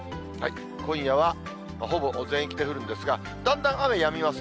今夜はほぼ全域で降るんですが、だんだん雨やみます。